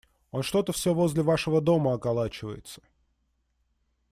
Он что-то все возле вашего дома околачивается.